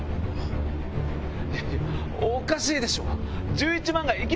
いやいやおかしいでしょ！